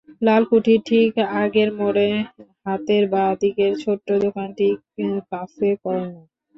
লালকুঠির ঠিক আগের মোড়ে হাতের বাঁ দিকের ছোট্ট দোকানটিই কাফে কর্নার।